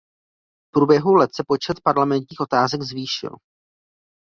V průběhu let se počet parlamentních otázek zvýšil.